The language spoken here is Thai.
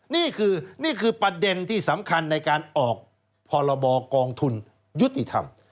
นี่คือนี่คือประเด็นที่สำคัญในการออกพรบกองทุนยุติธรรม